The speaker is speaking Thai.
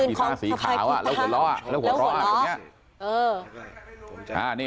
มีหน้าสีขาวแล้วหล่อแล้วหล้อตรงนี้